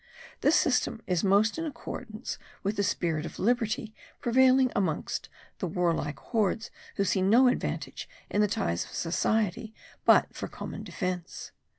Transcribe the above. This system is most in accordance with the spirit of liberty prevailing amongst those warlike hordes who see no advantage in the ties of society but for common defence.